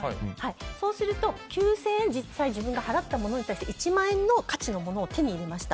そうすると、９０００円実際に自分が払ったものに対して１万円の価値のものを手に入れました。